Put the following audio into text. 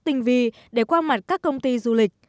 tinh vi để qua mặt các công ty du lịch